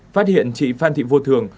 phát hiện chị phan thị vô thường